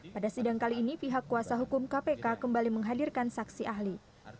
pada sidang kali ini pihak kuasa hukum kpk kembali menghadirkan saksi ahli